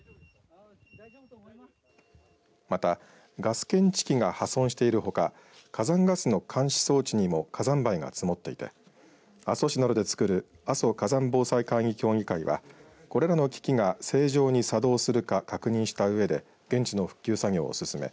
またガス検知器が破損しているほか火山ガスの監視装置にも火山灰が積もっていて阿蘇市などで作る阿蘇火山防災会議協議会はこれらの機器が正常に作動するか確認したうえで現地の復旧作業を進め